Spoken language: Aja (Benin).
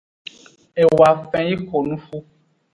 E woafen yi xonuxu.